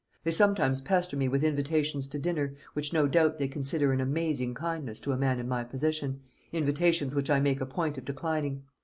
They sometimes pester me with invitations to dinner, which no doubt they consider an amazing kindness to a man in my position; invitations which I make a point of declining.